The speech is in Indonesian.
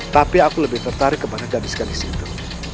tapi aku lebih tertarik kepada gadis gadis itu